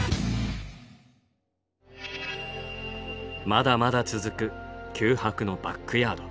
まだまだ続く九博のバックヤード。